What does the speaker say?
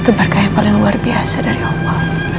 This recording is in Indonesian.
sampai jumpa di video selanjutnya